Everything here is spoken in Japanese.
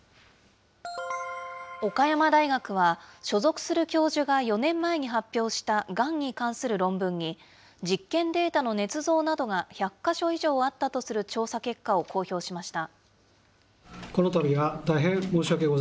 岡山大学は、所属する教授が４年前に発表したがんに関する論文に、実験データのねつ造などが１００か所以上あったとする調査結果を公表しました。